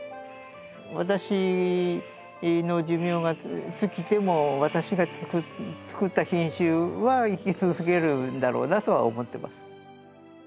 私の寿命が尽きても私がつくった品種は生き続けるんだろうなとは思ってます。